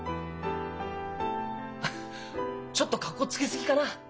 ハハッちょっとかっこつけすぎかな？